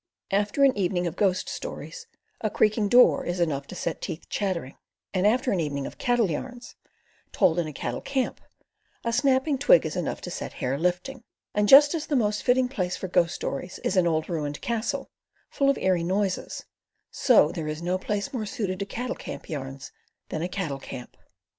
After an evening of ghost stories, a creaking door is enough to set teeth chattering; and after an evening of cattle yarns, told in a cattle camp, a snapping twig is enough to set hair lifting; and just as the most fitting place for ghost stories is an old ruined castle, full of eerie noises, so there is no place more suited to cattle camp yarns than a cattle camp.